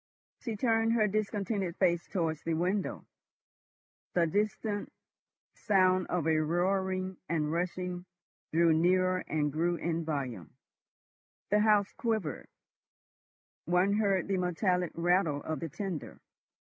She turned her discontented face towards the window. The distant sound of a roaring and rushing drew nearer and grew in volume; the house quivered; one heard the metallic rattle of the tender.